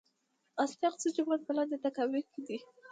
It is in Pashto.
اصلي اقصی جومات په لاندې تاكاوۍ کې دی.